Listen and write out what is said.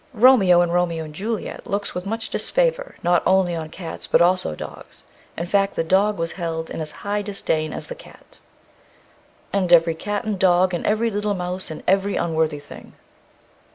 Romeo, in Romeo and Juliet, looks with much disfavour, not only on cats but also dogs; in fact, the dog was held in as high disdain as the cat: And every cat and dog, And every little mouse, and every unworthy thing.